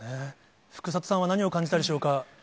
福里さんは何を感じたでしょ